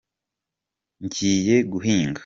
Njyiye guhinga.